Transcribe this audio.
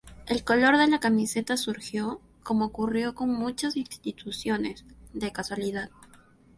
El color de la camiseta surgió, como ocurrió con muchas instituciones, de casualidad.